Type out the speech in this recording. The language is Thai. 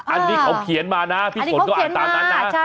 อันนี้เขาเขียนมานะพี่ฝนก็อ่านตามนั้นนะ